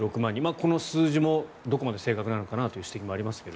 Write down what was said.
この数字もどこまで正確なのかなという指摘もありますが。